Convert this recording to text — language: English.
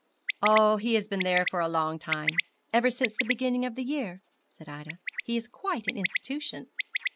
'Oh, he has been there for a long time ever since the beginning of the year,' said Ida; 'he is quite an institution.'